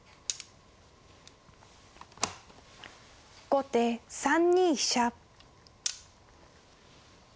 後手３二飛車。